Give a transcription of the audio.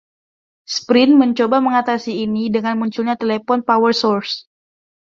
Sprint mencoba mengatasi ini dengan munculnya telepon PowerSource.